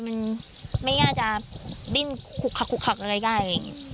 มันไม่น่าจะดิ้นคุกคักคุกคักอะไรได้อะไรอย่างเงี้ย